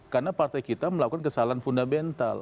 karena partai kita melakukan kesalahan fundamental